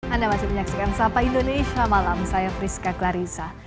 anda masih menyaksikan sapa indonesia malam saya friska clarissa